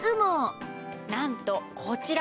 なんとこちら